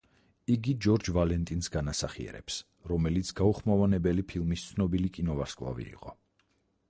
იგი ჯორჯ ვალენტინს განასახიერებს, რომელიც გაუხმოვანებელი ფილმის ცნობილი კინოვარსკვლავი იყო.